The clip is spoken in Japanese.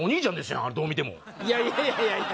いやいやいやいや